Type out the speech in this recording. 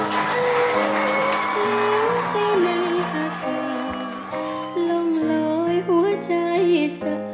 แม้จะเหนื่อยหล่อยเล่มลงไปล้องลอยผ่านไปถึงเธอ